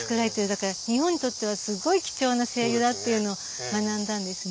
だから日本にとってはすごい貴重な精油だっていうのを学んだんですね。